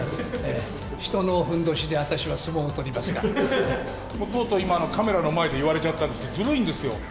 人のふんどしで、私は相撲を取りとうとう、今、カメラの前で言われちゃったんですけど、ずるいんですよ。